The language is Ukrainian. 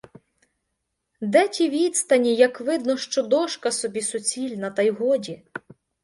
Де ті відстані, як видно, що дошка собі суцільна, та й годі?